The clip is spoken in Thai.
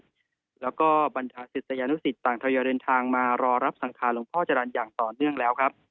สิทธิ์และบรรยากาศติรศญนุศิตรต่างเท่าเยอะเดินทางมารอรับสังคารลงภศฯอย่างต่อเนื่องแล้ว